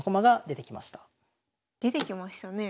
出てきましたね。